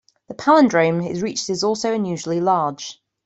The palindrome reached is also unusually large.